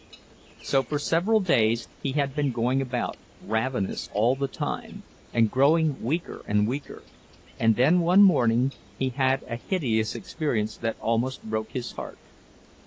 So for several days he had been going about, ravenous all the time, and growing weaker and weaker, and then one morning he had a hideous experience, that almost broke his heart.